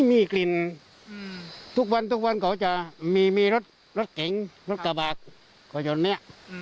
ไม่มีกลิ่นทุกวันเขาจะมีรถเก๋งรถกระบาดอยู่อันนี้